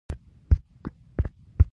شه دا د خوشحال خان لېسې زده کوونکی دی.